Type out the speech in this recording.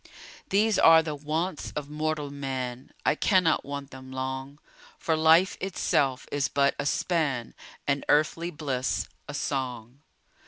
These are the Wants of mortal Man, I cannot want them long, For life itself is but a span, And earthly bliss a song.